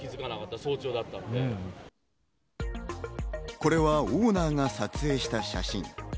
これはオーナーが撮影した写真。